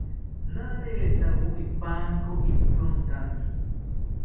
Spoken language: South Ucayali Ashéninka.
Naretawo ipanko itzinkami